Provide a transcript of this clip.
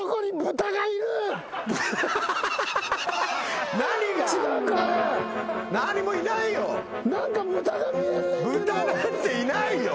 豚なんていないよ。